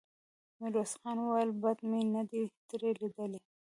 ميرويس خان وويل: بد مې نه دې ترې ليدلي.